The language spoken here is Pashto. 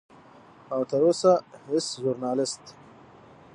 او تر اوسه هیڅ ژورنالست